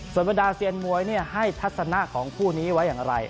ส่วนบรรดาเซียนมวยให้ทัศนะของคู่นี้ไว้อย่างไร